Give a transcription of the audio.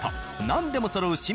何でもそろう新